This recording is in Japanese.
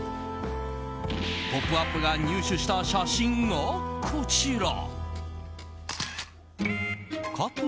「ポップＵＰ！」が入手した写真がこちら。